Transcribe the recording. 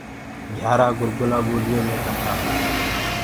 گھيآرآنٚ گُرگُلآ ٻوليو مي ڪٿآ۔